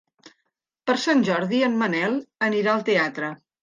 Per Sant Jordi en Manel anirà al teatre.